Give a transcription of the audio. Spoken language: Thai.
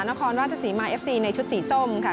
นครราชสีมาเอฟซีในชุดสีส้มค่ะ